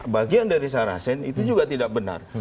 bagian dari sarasen itu juga tidak benar